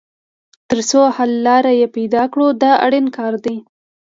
تر څو حل لاره یې پیدا کړو دا اړین کار دی.